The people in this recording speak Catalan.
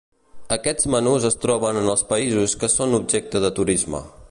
Aquests menús es troben en els països que són objecte de turisme.